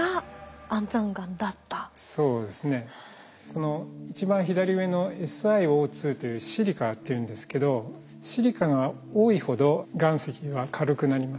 この一番左上の「ＳｉＯ」というシリカっていうんですけどシリカが多いほど岩石は軽くなります。